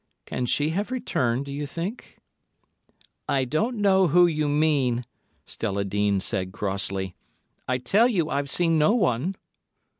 Can she have returned, do you think?" "I don't know who you mean," Stella Dean said crossly. "I tell you, I've seen no one."